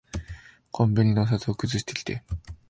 コンビニでお札くずしてきて。